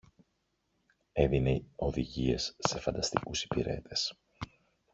έδινε οδηγίες σε φανταστικούς υπηρέτες